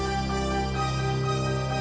mungkin ini tempatnya